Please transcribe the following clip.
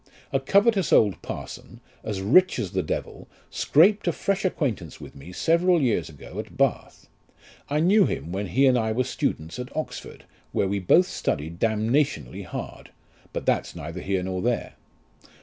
A covetous old parson, as rich as the devil, scraped a fresh acquaintance with me several years ago at Bath. I knew him when he and I were students at Oxford, where we both studied damnationly hard ; but that's neither here nor there.